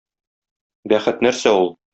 Бәхет нәрсә ул?